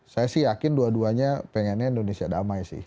saya sih yakin dua duanya pengennya indonesia damai sih